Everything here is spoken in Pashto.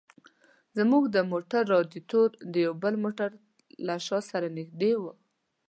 زموږ د موټر رادیاټور د یو بل موټر له شا سره نږدې و.